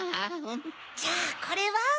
じゃあこれは？